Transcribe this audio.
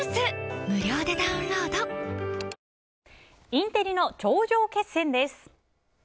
インテリの頂上決戦です。